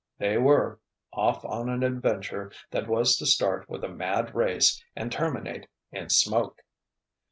They were—off on an adventure that was to start with a mad race and terminate—in smoke!